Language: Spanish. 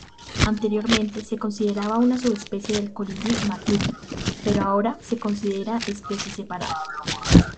Anteriormente se consideraba una subespecie del colibrí magnífico, pero ahora es consideran especies separadas.